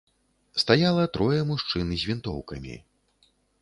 Стаяла трое мужчын з вінтоўкамі.